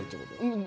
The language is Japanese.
うん。